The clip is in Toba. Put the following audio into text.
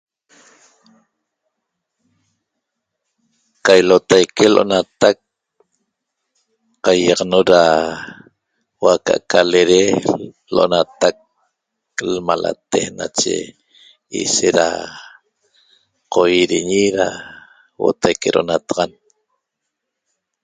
Qailotaique lo'onatac qaiaxanot ra huo'o aca'aca lere lo'onatac lamalate nache ishet ra qoiriñi na huotaique ro'onataxan